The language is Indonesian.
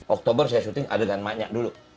oktober saya syuting adegan maknya dulu